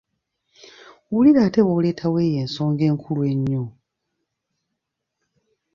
Wulira ate bw’oleetawo eyo ensonga enkulu ennyo!